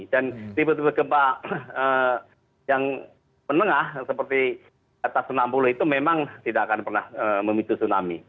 dan tiba tiba gempa yang menengah seperti atas enam puluh itu memang tidak akan pernah memicu tsunami